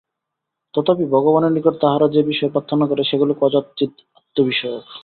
তথাপি ভগবানের নিকট তাহারা যে-যে বিষয়ে প্রার্থনা করে, সেগুলি কদাচিৎ আত্মবিষয়ক।